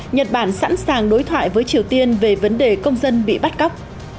nhật bản sẵn sàng đối thoại với triều tiên về vấn đề công dân bị bắt cóc